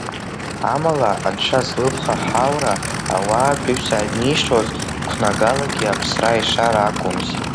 Амала, анцәа злыԥха ҳаура, ауаатәыҩса анишоз, қәнагалагьы аԥсра ишар акәымзи.